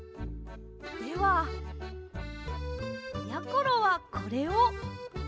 ではやころはこれを。